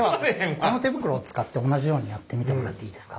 この手袋を使って同じようにやってみてもらっていいですか。